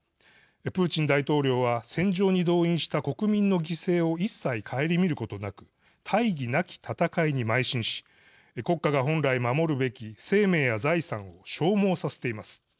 プーチン大統領は戦場に動員した国民の犠牲を一切、顧みることなく大義なき戦いにまい進し国家が本来、守るべき生命や財産を消耗させています。